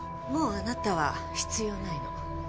もうあなたは必要ないの。